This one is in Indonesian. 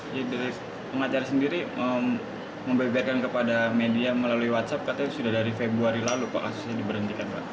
jadi dari pengacara sendiri membeberkan kepada media melalui whatsapp katanya sudah dari februari lalu kok kasusnya diberhentikan